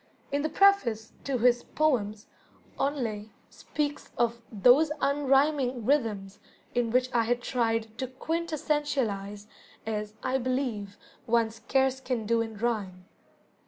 In the preface to his "Poems", Henley speaks of "those unrhyming rhythms in which I had tried to quintessentialize, as (I believe) one scarce can do in rhyme."